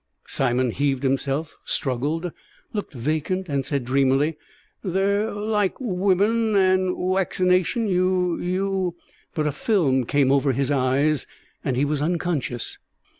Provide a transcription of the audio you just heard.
Simon heaved himself, struggled, looked vacant, and said dreamily, "They're loike women, and waccination, you you " But a film came over his eyes, and he was unconscious.